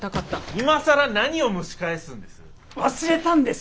今更何を蒸し返すんです？